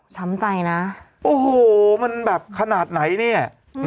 ใจนะโอ้โหมันแบบขนาดไหนเนี่ย